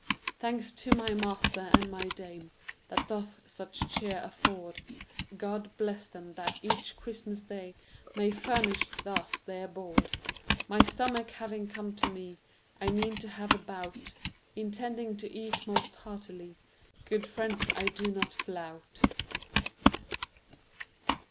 Thanks to my master and my dame That doth such cheer afford; God bless them, that each Christmas they May furnish thus their board. My stomach having come to me, I mean to have a bout, Intending to eat most heartily; Good friends, I do not flout.